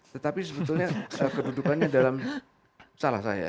tetapi sebetulnya kedudukannya dalam salah saya